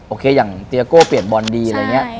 โอเคอย่างเตียโก้เปลี่ยนบอลดีอะไรอย่างนี้